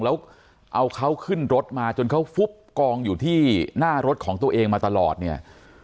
แล้วเอาเขาขึ้นรถมาจนเขาฟุบกองอยู่ที่หน้ารถของตัวเองมาตลอดเนี่ย